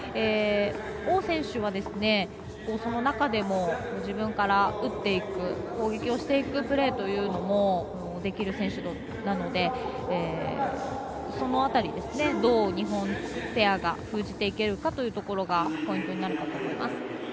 王選手はその中でも自分から打っていく攻撃していくプレーもできる選手なのでその辺り、どう日本ペアが封じていけるかというのがポイントになるかと思います。